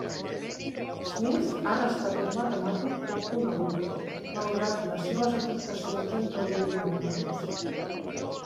Smith ha restat un matemàtic poc conegut, malgrat les seves aportacions en teoria de nombres.